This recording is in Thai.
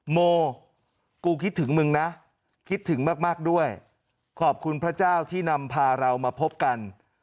โมกูคิดถึงมึงนะคิดถึงมากด้วยขอบคุณพระเจ้าที่นำพาเรามาพบกัน